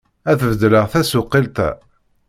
Ad beddleɣ tasuqilt-a.